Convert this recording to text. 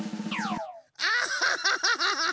アッハハハハ！